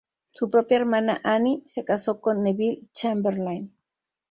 Su propia hermana Annie se casó con Neville Chamberlain.